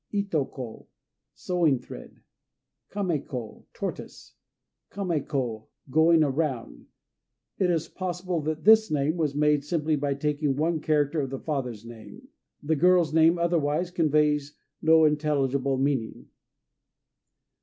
Ito ko "Sewing Thread." Kamé ko "Tortoise." Kané ko "Going around" (?). It is possible that this name was made simply by taking one character of the father's name. The girl's name otherwise conveys no intelligible meaning.